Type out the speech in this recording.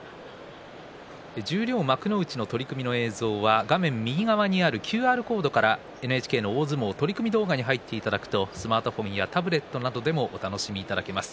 十両幕内の取組の映像は画面右側にあるＱＲコードからＮＨＫの大相撲取組動画に入っていただくとスマートフォンやタブレットなどでもお楽しみいただけます。